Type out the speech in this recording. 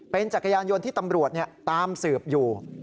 เป็นจักรยานยนต์ที่ตำรวจตามสืบอยู่